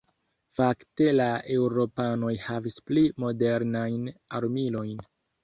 Fakte la eŭropanoj havis pli modernajn armilojn.